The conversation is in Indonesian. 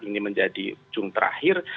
ini menjadi ujung terakhir